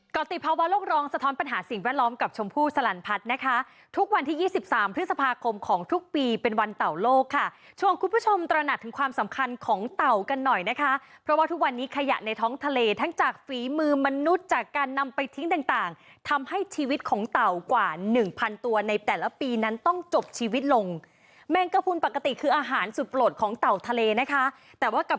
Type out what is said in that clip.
กรติภาวะโรคร้องสะท้อนปัญหาสิ่งแวดล้อมกับชมพู่สลันพัฒน์นะคะทุกวันที่๒๓พฤษภาคมของทุกปีเป็นวันเต่าโลกค่ะช่วงคุณผู้ชมตระหนักถึงความสำคัญของเต่ากันหน่อยนะคะเพราะว่าทุกวันนี้ขยะในท้องทะเลทั้งจากฝีมือมนุษย์จากการนำไปทิ้งต่างทำให้ชีวิตของเต่ากว่าหนึ่งพันตัวใน